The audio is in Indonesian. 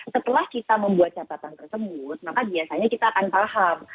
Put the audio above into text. setelah kita membuat catatan tersebut maka biasanya kita akan paham